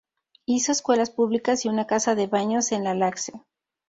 Hizo escuelas públicas y una casa de baños en la Laxe.